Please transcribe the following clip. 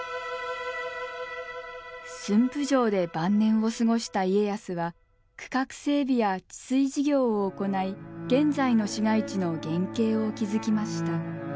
駿府城で晩年を過ごした家康は区画整備や治水事業を行い現在の市街地の原型を築きました。